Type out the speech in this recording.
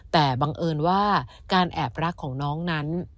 แต่บังเอิญว่าการแอบรักของน้องนั้น